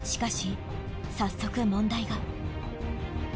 しかし早速問題が。